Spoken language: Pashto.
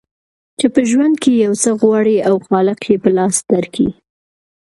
چي په ژوند کي یو څه غواړې او خالق یې په لاس درکي